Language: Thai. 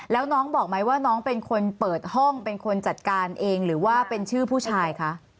แล้วน้องบอกไหมว่าน้องเป็นคนเปิดห้องเป็นคนจัดการเองหรือว่าเป็นชื่อผู้ชายคะ